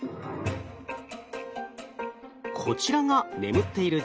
こちらが眠っている状態。